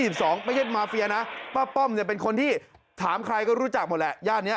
ไม่ใช่มาเฟียนะป้าป้อมเป็นคนที่ถามใครก็รู้จักหมดละ